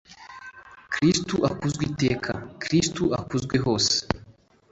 kristu akuzwe iteka, kristu akuzwe hose